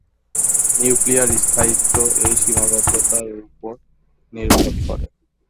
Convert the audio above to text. Nuclear স্থায়িত্ব এই সীমাবদ্ধতার উপর নির্ভর করে।